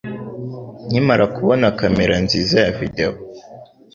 Nkimara kubona kamera nziza ya videwo